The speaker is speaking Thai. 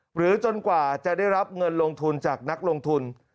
จนกว่าจะได้รับเงินลงทุนจากนักลงทุน